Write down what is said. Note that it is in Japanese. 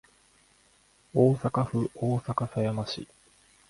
大阪府大阪狭山市